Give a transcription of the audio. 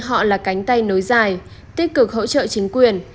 họ là cánh tay nối dài tích cực hỗ trợ chính quyền